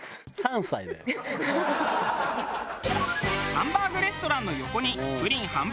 ハンバーグレストランの横にプリン販売所を併設。